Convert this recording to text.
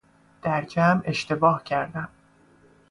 در جمع اشتباه کردم